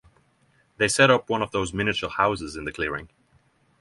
They set up one of those miniature houses in the clearing.